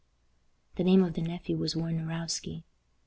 The name of the nephew was Warnarowski.